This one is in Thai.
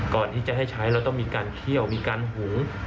ก่อนที่จะให้ใช้แล้วต้องมีการเคี่ยวมีการหุง